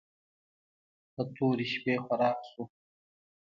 په تورې شپې خوراک شو.